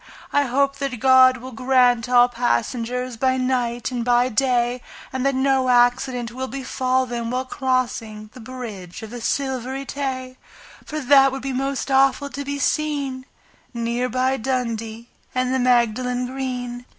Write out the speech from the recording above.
I hope that God will protect all passengers By night and by day, And that no accident will befall them while crossing The Bridge of the Silvery Tay, For that would be most awful to be seen Near by Dundee and the Magdalen Green.